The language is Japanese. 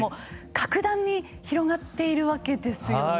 格段に広がっているわけですよね。